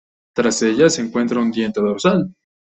Tras ella se encuentra un diente dorsal.